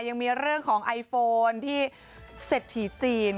ยังมีเรื่องของไอโฟนที่เศรษฐีจีน